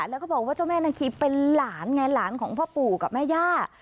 แล้วก็บอกว่าเจ้าแม่นาคีเป็นหลานไงหลานของพ่อปู่กับแม่ย่า